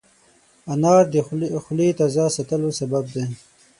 انار د خولې تازه ساتلو سبب دی.